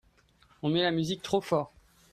On met la musique trop fort.